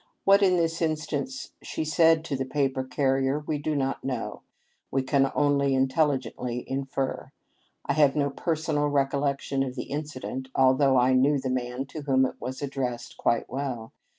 What in this instance she said to the paper carrier we do not know ; we can only intelligently infer. I have no personal recollection of the incident, although I knew the man to whom it was addressed quite well.